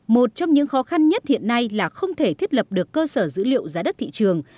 một trong những khó khăn nhất hiện nay là không thể thiết lập được cơ sở dữ liệu giá đất thị trường